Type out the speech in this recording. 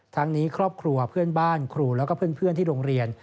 ทั้งนี้ครอบครัวเพื่อนบ้านครูแล้วก็เพื่อนที่โรงเรียน